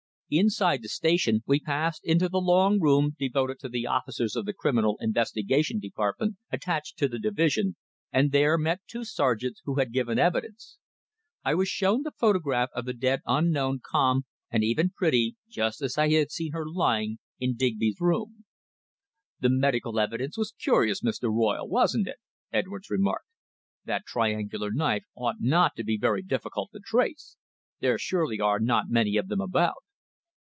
Inside the station, we passed into the long room devoted to the officers of the Criminal Investigation Department attached to the division, and there met two sergeants who had given evidence. I was shown the photograph of the dead unknown, calm, and even pretty, just as I had seen her lying stretched in Digby's room. "The medical evidence was curious, Mr. Royle, wasn't it?" Edwards remarked. "That triangular knife ought not to be very difficult to trace. There surely are not many of them about."